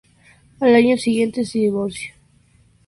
Al año siguiente se divorcia.